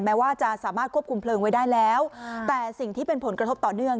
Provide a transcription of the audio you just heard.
แม้ว่าจะสามารถควบคุมเพลิงไว้ได้แล้วแต่สิ่งที่เป็นผลกระทบต่อเนื่อง